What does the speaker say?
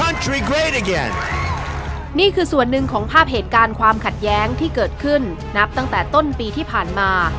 นี่คือส่วนหนึ่งของภาพเหตุการณ์ความขัดแย้งที่เกิดขึ้นนับตั้งแต่ต้นปีที่ผ่านมา